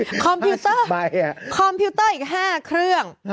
คอมพิวเตอร์คอมพิวเตอร์อีก๕เครื่อง